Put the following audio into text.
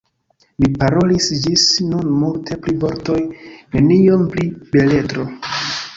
Mi parolis ĝis nun multe pri vortoj, neniom pri beletro.